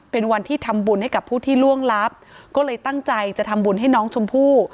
เป็นวันที่ทำบุญให้กับผู้ที่ล่วงลับก็เลยตั้งใจจะทำบุญให้น้องชมพู่